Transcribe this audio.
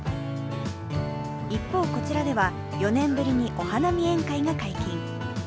一方、こちらでは４年ぶりにお花見宴会が解禁。